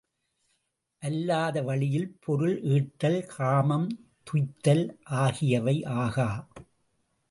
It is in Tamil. அல்லாத வழியில் பொருள் ஈட்டல், காமம் துய்த்தல் ஆகியவை ஆகா.